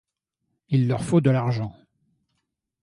Il leur faut de l'argent.